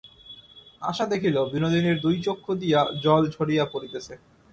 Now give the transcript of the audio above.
আশা দেখিল, বিনোদিনীর দুই চক্ষু দিয়া জল ঝরিয়া পড়িতেছে।